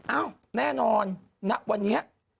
แน่นอนณวันนี้